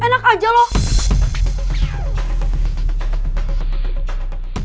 pertama kali gue ngajak lo ngajak gue